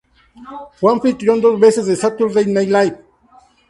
Fue anfitrión dos veces de "Saturday Night Live".